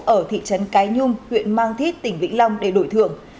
ở thị trấn cái nhung huyện mang thít tỉnh vĩnh long để đổi thưởng